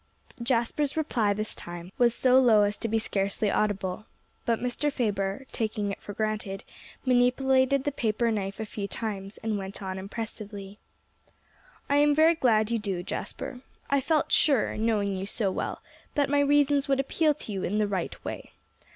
Jasper's reply this time was so low as to be scarcely audible. But Mr. Faber, taking it for granted, manipulated the paper knife a few times, and went on impressively. "I am very glad you do, Jasper. I felt sure, knowing you so well, that my reasons would appeal to you in the right way.